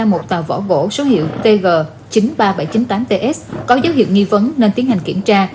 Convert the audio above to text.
một tàu vỏ gỗ số hiệu tg chín mươi ba nghìn bảy trăm chín mươi tám ts có dấu hiệu nghi vấn nên tiến hành kiểm tra